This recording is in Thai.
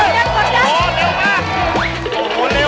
เรียบร้อย